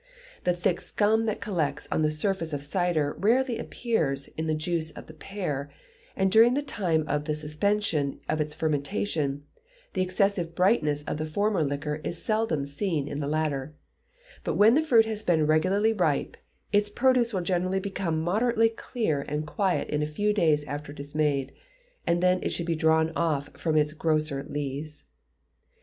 The thick scum that collects on the surface of cider rarely appears in the juice of the pear, and during the time of the suspension of its fermentation, the excessive brightness of the former liquor is seldom seen in the latter; but when the fruit has been regularly ripe, its produce will generally become moderately clear and quiet in a few days after it is made, and it should then be drawn off from its grosser lees.